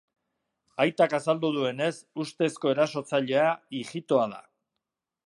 Aitak azaldu duenez, ustezko erasotzailea ijitoa da.